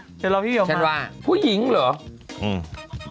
เดี๋ยวรอพี่เมียวมาฉันว่าผู้หญิงเหรออืม